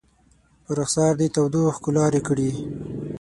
په رخسار دې تودو اوښکو لارې کړي